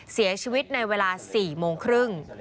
เสียชีวิตในเวลา๔โมงครึ่ง